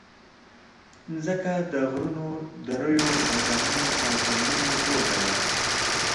مځکه د غرونو، دریو، میدانونو او ځنګلونو ټولګه ده.